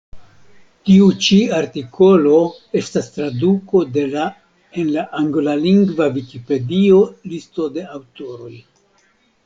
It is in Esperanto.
Tiu ĉi artikolo estas traduko de la en la anglalingva vikipedio, listo de aŭtoroj.